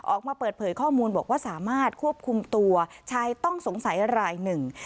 ออกมาเปิดเผยข้อมูลบอกว่าสามารถควบคุมตัวชายต้องสงสัยรายหนึ่ง